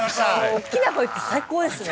大きな声って最高ですね！